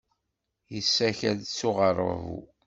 Yessakel s uɣerrabu.